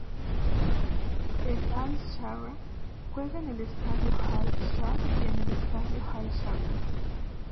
El Al-Zawraa juega en el Estadio Al-Shaab y en el Estadio Al-Zawraa.